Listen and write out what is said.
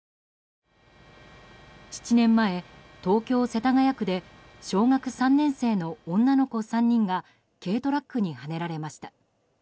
７年前、東京・世田谷区で小学３年生の女の子３人が軽トラックにはねられました。